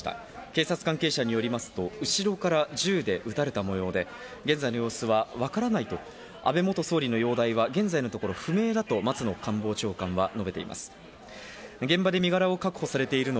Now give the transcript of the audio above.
警察関係者によりますと後ろから銃で撃たれた模様で、現在の様子はわからないと、安倍元総理の容体は現在のところ不明だと松野官房長官は伝えています。